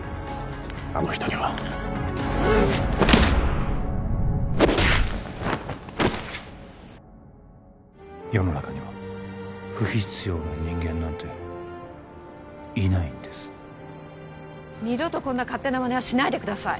あの人には世の中には不必要な人間なんていないんです二度とこんな勝手なまねはしないでください